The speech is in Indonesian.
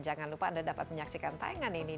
jangan lupa anda dapat menyaksikan tayangan ini